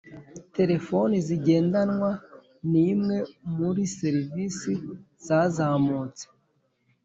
Telefoni zigendanwa ni imwe muri serivisi zazamutse